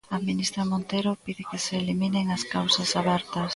A ministra Montero pide que se eliminen as causas abertas.